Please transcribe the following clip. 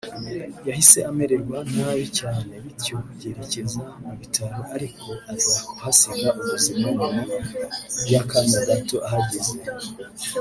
yahise amererwa nabi cyane bityo yerekeza mu bitaro ariko aza kuhasiga ubuzima nyuma y’akanya gato ahageze